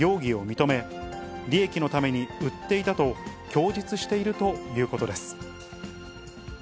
社長の男は調べに対し、容疑を認め、利益のために売っていたと供述しているということです。